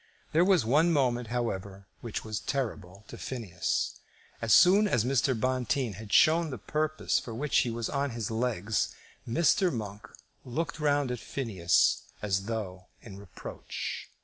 There was one moment, however, which was terrible to Phineas. As soon as Mr. Bonteen had shown the purpose for which he was on his legs, Mr. Monk looked round at Phineas, as though in reproach.